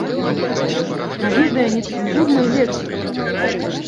На відэа нецэнзурная лексіка!